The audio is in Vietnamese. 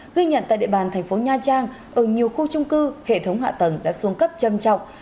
ghi nhận tại địa bàn thành phố nha trang ở nhiều khu trung cư hệ thống hạ tầng đã xuống cấp châm trọc